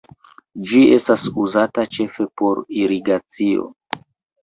Ĝi estas uzata ĉefe por irigacio.